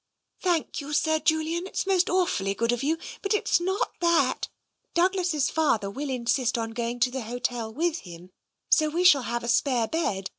" Thank you. Sir Julian, it's most awfully good of you. But it's not that. Douglas' father will insist on going to the hotel, with him, so we shall have a spare bed.